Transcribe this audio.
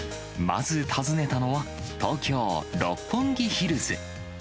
まず、訪ねたのは、東京・六本木ヒルズ。